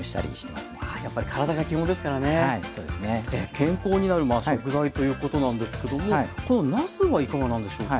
健康になる食材ということなんですけどもこのなすはいかがなんでしょうか。